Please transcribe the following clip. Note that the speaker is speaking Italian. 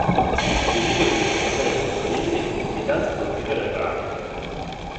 Il videoclip è stato reso disponibile in concomitanza con l'uscita del brano.